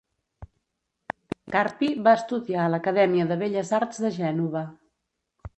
Carpi va estudiar a l'acadèmia de belles arts de Gènova.